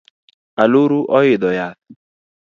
Aluru oidho yath